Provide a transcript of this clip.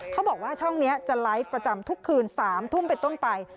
เขาบอกว่าช่องนี้จะไลฟ์ประจำทุกคืน๓ทุ่มเป็นต้นไป